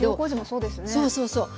そうそうそう。